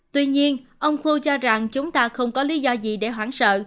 tuy nhiên ông khu cho rằng chúng ta không có lý do gì để hoảng sợ